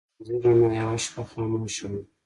د پخلنځي رڼا یوه شپه خاموشه وه.